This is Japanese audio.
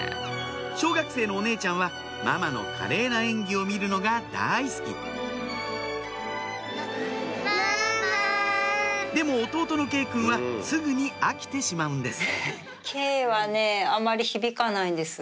小学生のお姉ちゃんはママの華麗な演技を見るのが大好きでも弟の佳依くんはすぐに飽きてしまうんです